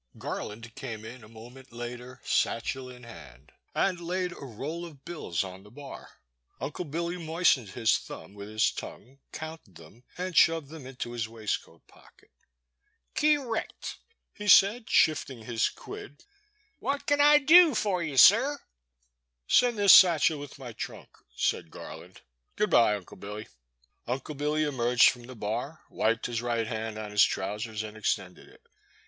Garland came in a moment later, satchel in hand, and laid a roll of bills on the bar. Uncle Billy moistened his thumb with his tongue, counted them, and shoved them into his waistcoat pocket. C'rect,*' he said, shifting his quid, what can I dew for yew, sir ?*' Send this satchel with my trunk, said Gar land, good bye, Unde Billy.*' Uncle Billy emerged from the bar, wiped his right hand on his trousers and extended it.